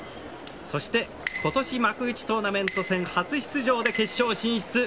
そして今年幕内トーナメント戦初出場で決勝進出。